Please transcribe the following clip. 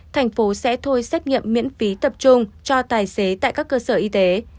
thành phố sẽ thôi xét nghiệm miễn phí tập trung cho tài xế tại các cơ sở y tế